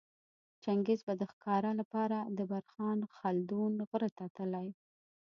چنګیز به د ښکاره لپاره د برخان خلدون غره ته تلی